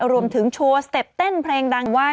รวมถึงโชว์สเต็ปเต้นเพลงดังว่า